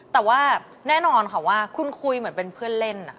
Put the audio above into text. แต่ว่าแน่นอนค่ะว่าคุณคุยเหมือนเป็นเพื่อนเล่น